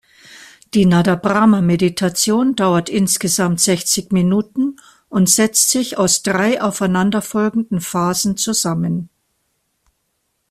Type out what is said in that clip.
Die Nadabrahma-Meditation dauert insgesamt sechzig Minuten und setzt sich aus drei aufeinanderfolgenden Phasen zusammen.